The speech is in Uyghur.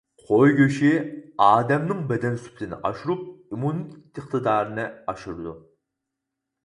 قوي گۆشى ئادەمنىڭ بەدەن سۈپىتىنى ئاشۇرۇپ ئىممۇنىتېت ئىقتىدارىنى ئاشۇرىدۇ.